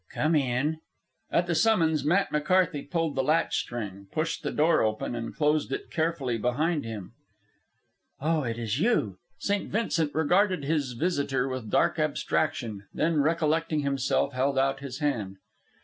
"Come in." At the summons Matt McCarthy pulled the latch string, pushed the door open, and closed it carefully behind him. "Oh, it is you!" St. Vincent regarded his visitor with dark abstraction, then, recollecting himself, held out his hand.